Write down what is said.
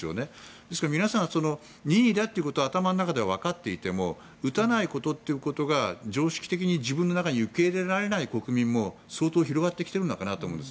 ですから、皆さん任意だということは頭の中ではわかっていても打たないことということが常識的に自分の中に受け入れられない国民も相当広がってきているかなと思うんです。